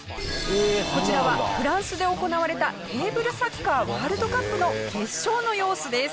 こちらはフランスで行われたテーブルサッカーワールドカップの決勝の様子です。